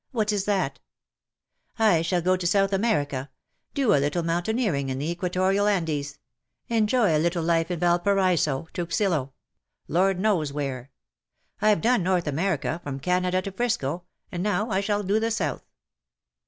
" What is that ?"^' I shall go to South America — do a little mountaineering in the Equatorial Andes — enjoy a little life in Valparaiso, Truxillo — Lord knows where ! Fve done North America, from Canada to Frisco, and now I shall do the South.